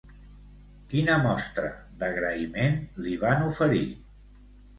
Quina mostra d'agraïment li van oferir?